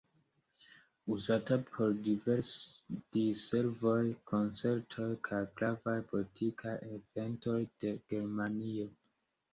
Uzata por diservoj, koncertoj kaj gravaj politikaj eventoj de Germanio.